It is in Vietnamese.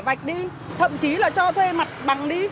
vạch đi thậm chí là cho thuê mặt bằng đi